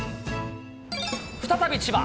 再び千葉。